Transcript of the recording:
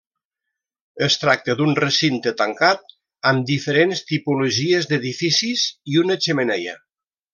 Es tracta d'un recinte tancat amb diferents tipologies d'edificis i una xemeneia.